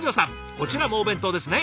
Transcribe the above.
こちらもお弁当ですね。